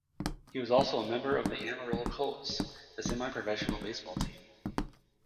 He was also a member of the Amarillo Colts, a semi-professional baseball team.